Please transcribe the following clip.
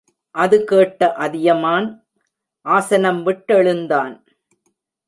அதுகேட்ட அதியமான் ஆசனம் விட்டெழுந்தான்.